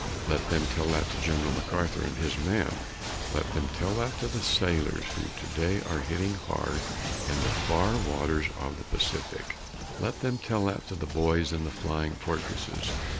Let them tell that to General MacArthur and his men. Let them tell that to the sailors who today are hitting hard in the far waters of the Pacific. Let them tell that to the boys in the Flying Fortresses.